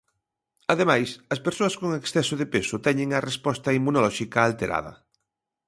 Ademais, as persoas con exceso de peso teñen a resposta inmunolóxica alterada.